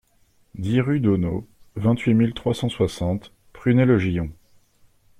dix rue d'Auneau, vingt-huit mille trois cent soixante Prunay-le-Gillon